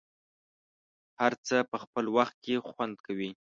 هر څه په خپل وخت کې خوند کوي.